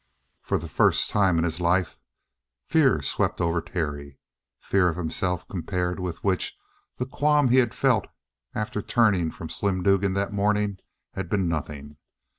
For the first time in his life fear swept over Terry fear of himself compared with which the qualm he had felt after turning from Slim Dugan that morning had been nothing.